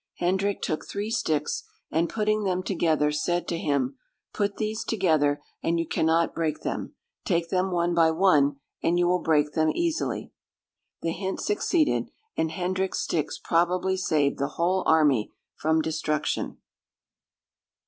Hendrick took three sticks, and putting them together, said to him, "Put these together, and you cannot break them; take them one by one, and you will break them easily." The hint succeeded, and Hendrick's sticks probably saved the whole army from destruction.